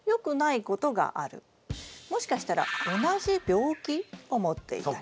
もしかしたら同じ病気を持っていたり。